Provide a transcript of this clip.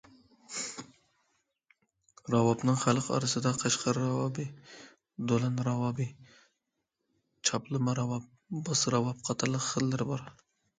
راۋابنىڭ خەلق ئارىسىدا قەشقەر راۋابى، دولان راۋابى، چاپلىما راۋاب، باس راۋاب قاتارلىق خىللىرى بار.